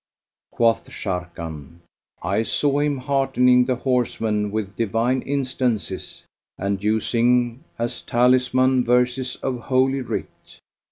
Quoth Sharrkan, "I saw him heartening the horsemen with divine instances and using as talisman verses of Holy Writ."